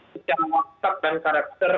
secara maksat dan karakter